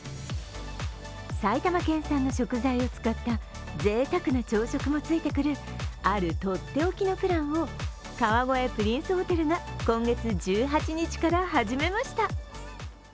埼玉県産の食材を使ったぜいたくな朝食もついてくるあるとっておきのプランを川越プリンスホテルが今月１８日から始めました。